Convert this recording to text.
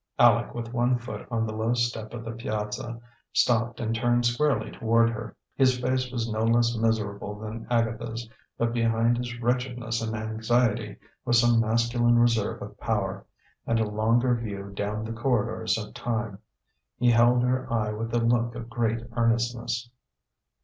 Aleck, with one foot on the low step of the piazza, stopped and turned squarely toward her. His face was no less miserable than Agatha's, but behind his wretchedness and anxiety was some masculine reserve of power, and a longer view down the corridors of time. He held her eye with a look of great earnestness.